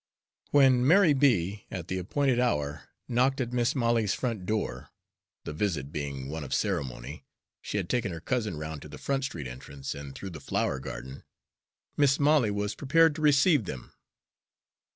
When Mary B., at the appointed hour, knocked at Mis' Molly's front door, the visit being one of ceremony, she had taken her cousin round to the Front Street entrance and through the flower garden, Mis' Molly was prepared to receive them.